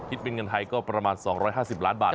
คิดเป็นเงินไทยก็ประมาณ๒๕๐ล้านบาท